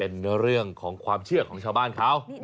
เป็นเรื่องของความเชื่อของชาวบ้านเขา